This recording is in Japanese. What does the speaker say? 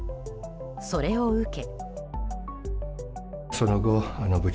それを受け。